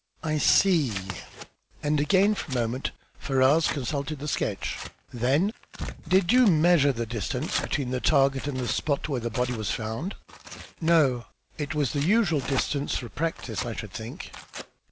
"I see." And again for a moment Ferrars consulted the sketch. Then "Did you measure the distance between the target and the spot where the body was found?" "No. It was the usual distance for practice, I should think."